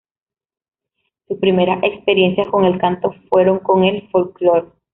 Sus primeras experiencias con el canto fueron con el folclore.